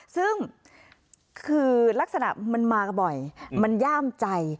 ซึ่งคือลักษณะมันมาบ่อยมันย่ามใจ